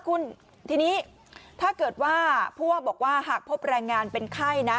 คุณทีนี้ถ้าเกิดว่าผู้ว่าบอกว่าหากพบแรงงานเป็นไข้นะ